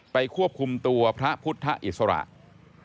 ควบคุมตัวพระพุทธอิสระ